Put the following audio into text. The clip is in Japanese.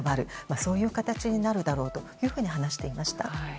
そういう形になるだろうと話していました。